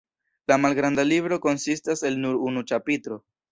La malgranda libro konsistas el nur unu ĉapitro.